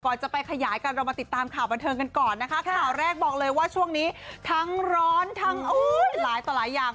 จะไปขยายกันเรามาติดตามข่าวบันเทิงกันก่อนนะคะข่าวแรกบอกเลยว่าช่วงนี้ทั้งร้อนทั้งโอ้ยหลายต่อหลายอย่าง